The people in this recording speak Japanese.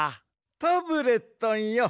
タブレットンよ。